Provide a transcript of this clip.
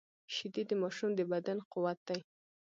شیدې د ماشوم د بدن قوت دي